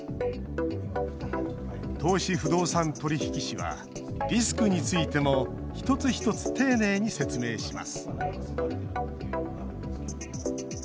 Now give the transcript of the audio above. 投資不動産取引士はリスクについても一つ一つ丁寧に説明します